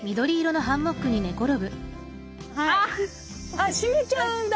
あっ閉めちゃうんだ。